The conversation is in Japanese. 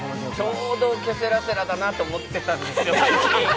ちょうど、ケセラセラだなって思ってたんですよ、最近。